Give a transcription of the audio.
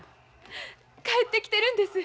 帰ってきてるんです。